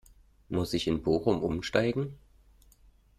Muss ich in Bochum umsteigen?